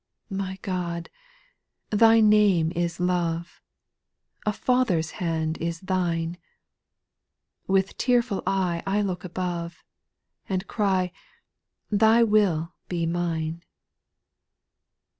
) 8. My God 1 Thy name is love, A Father's hand is Thine ; With tearful eye I look above, And cry, Thy will be mine."